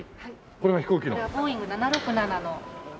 これはボーイング７６７の。